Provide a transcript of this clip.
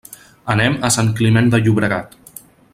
Anem a Sant Climent de Llobregat.